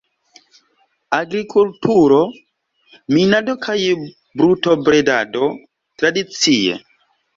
Agrikulturo, minado kaj brutobredado tradicie.